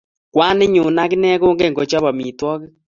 Kwaninyu akine kongen kochop amitwogik